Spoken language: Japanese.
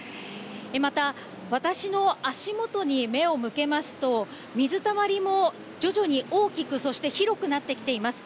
また、私の足元に目を向けますと、水たまりも徐々に大きく、そして広くなってきています。